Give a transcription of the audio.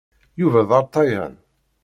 Yuba d aṛṭayan.